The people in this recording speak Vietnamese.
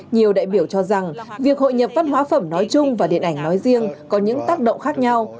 nhiều đại biểu cho rằng việc hội nhập văn hóa phẩm nói chung và điện ảnh nói riêng có những tác động khác nhau